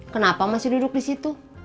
kenapa masih duduk disitu